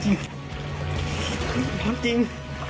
คือที่ทำจริง